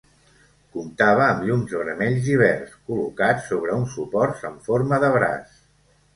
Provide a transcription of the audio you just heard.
Comptava amb llums vermells i verds, col·locats sobre uns suports amb forma de braç.